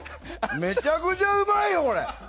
めちゃくちゃうまいよ、これ。